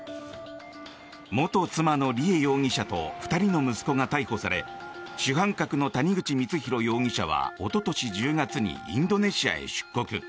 元妻の梨恵容疑者と２人の息子が逮捕され主犯格の谷口光弘容疑者はおととし１０月にインドネシアへ出国。